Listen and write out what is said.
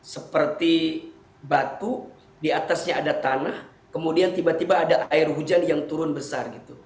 seperti batu diatasnya ada tanah kemudian tiba tiba ada air hujan yang turun besar